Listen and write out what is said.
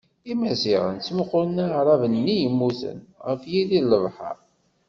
Imaziɣen ttmuqulen Aɛraben-nni yemmuten, ɣef yiri n lebḥeṛ.